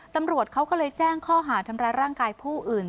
ตำรวจเขาก็เลยแจ้งข้อหาทำร้ายร่างกายผู้อื่น